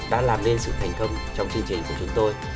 đã làm nên sự thành công trong chương trình của chúng tôi